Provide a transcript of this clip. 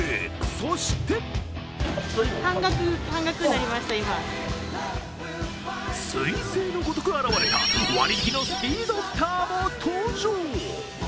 そしてすい星のごとく現れた、割引のスピードスターも登場。